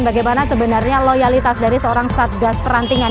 bagaimana sebenarnya loyalitas dari seorang satgas perantingan